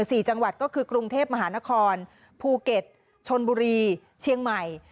สี่จังหวัดก็คือกรุงเทพมหานครภูเก็ตชนบุรีเชียงใหม่